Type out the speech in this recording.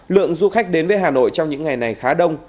lượng du khách đến với hà nội trong những ngày này khá đông